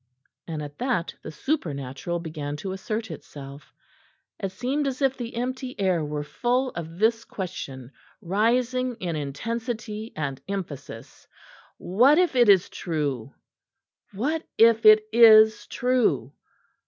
And at that the supernatural began to assert itself. It seemed as if the empty air were full of this question, rising in intensity and emphasis. What if it is true? What if it is true?